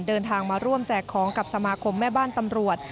เดินทางมาร่วมแจกของกับสมาคมแม่บ้านตำรวจ